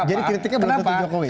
jadi kritiknya berikutnya jokowi ya